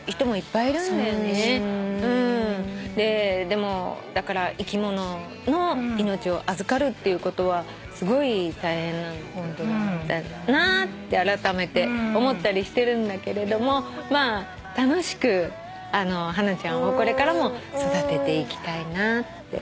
でもだから生き物の命を預かるっていうことはすごい大変なことだなってあらためて思ったりしてるんだけれども楽しくハナちゃんをこれからも育てていきたいなって。